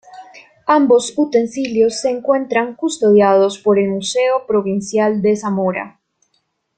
Ambos utensilios se encuentran custodiados por el Museo Provincial de Zamora.